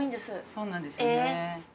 そうなんですよね。